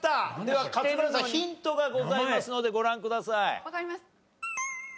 勝村さんヒントがございますのでご覧ください。